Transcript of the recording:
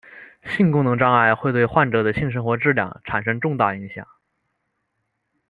性功能障碍会对患者的性生活质量产生重大影响。